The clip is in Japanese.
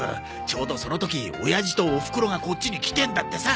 ちょうどその時親父とおふくろがこっちに来てんだってさ。